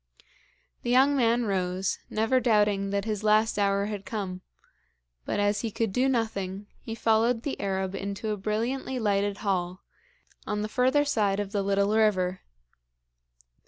The young man rose, never doubting that his last hour had come; but as he could do nothing, he followed the Arab into a brilliantly lighted hall, on the further side of the little river.